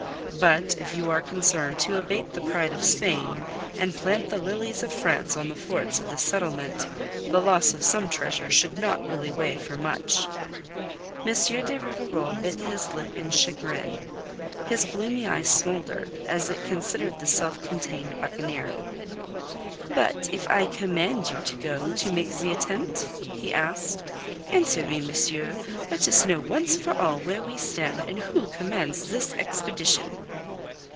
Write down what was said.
But if you are concerned to abate the pride of Spain and plant the Lilies of France on the forts of this settlement, the loss of some treasure should not really weigh for much." M. de Rivarol bit his lip in chagrin. His gloomy eye smouldered as it considered the self contained buccaneer. "But if I command you to go to make the attempt?" he asked. "Answer me, monsieur, let us know once for all where we stand, and who commands this expedition."